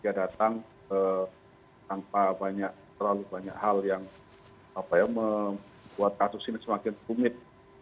dia datang tanpa terlalu banyak hal yang membuat kasus ini semakin rumit